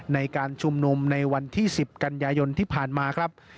ในการชุมนุมในวันที่๑๐กันยายนที่ผ่านมาครับ